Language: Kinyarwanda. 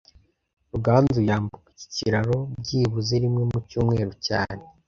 Ruganzu yambuka iki kiraro byibuze rimwe mu cyumweru cyane